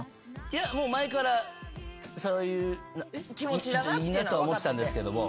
いやもう前からそういういいなとは思ってたんですけども。